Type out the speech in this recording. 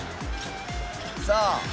さあ。